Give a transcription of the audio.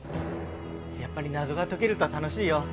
やっぱり謎が解けると楽しいよ